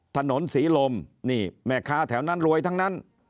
ถนนศรีลมนี่แม่ค้าแถวนั้นรวยทั้งนั้น